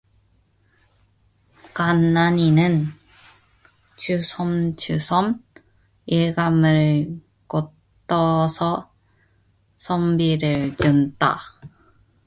간난이는 주섬주섬 일감을 걷어서 선비를 준다.